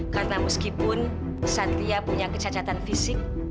karena meskipun satria punya kecacatan fisik